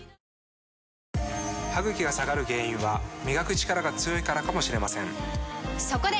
歯ぐきが下がる原因は磨くチカラが強いからかもしれませんそこで！